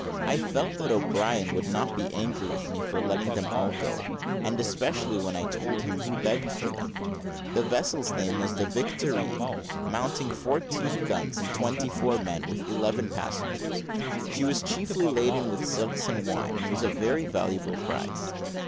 I felt that O'Brien would not be angry with me for letting them all go; and especially when I told him who begged for them. The vessel's name was the Victorine, mounting fourteen guns, and twenty four men, with eleven passengers. She was chiefly laden with silks and wine, and was a very valuable prize.